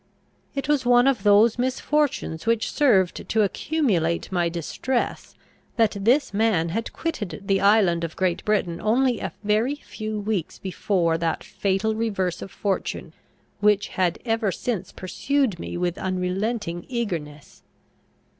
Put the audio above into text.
It was one of those misfortunes which served to accumulate my distress, that this man had quitted the island of Great Britain only a very few weeks before that fatal reverse of fortune which had ever since pursued me with unrelenting eagerness.